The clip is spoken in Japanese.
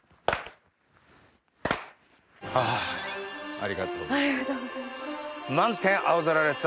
ありがとうございます。